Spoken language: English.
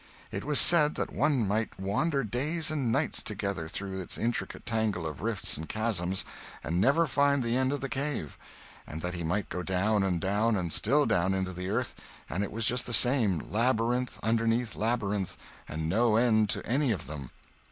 It was said that one might wander days and nights together through its intricate tangle of rifts and chasms, and never find the end of the cave; and that he might go down, and down, and still down, into the earth, and it was just the same—labyrinth under labyrinth, and no end to any of them.